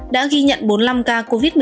đã ghi nhận bốn mươi năm ca covid một mươi chín